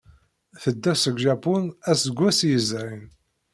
Tedda seg Japun aseggas yezrin.